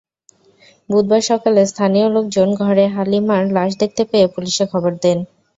বুধবার সকালে স্থানীয় লোকজন ঘরে হালিমার লাশ দেখতে পেয়ে পুলিশে খবর দেন।